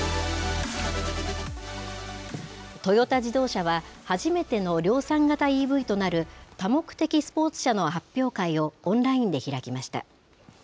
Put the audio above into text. トヨタ自動車は、初めての量産型ＥＶとなる多目的スポーツ車の発表会をオンラインで開きました。